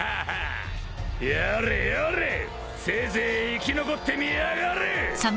やれやれせいぜい生き残ってみやがれ。